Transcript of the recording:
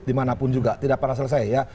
dimanapun juga tidak pernah selesai ya